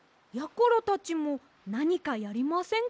ころたちもなにかやりませんか？